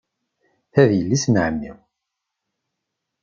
Ta d yelli-s n ɛemmi.